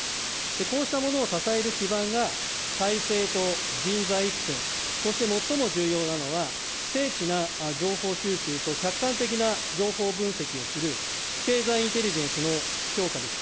こうしたものを支える基盤が、体制と人材育成、そして最も重要なのはせいちな情報収集と客観的な情報分析をする、経済インテリジェンスの強化です。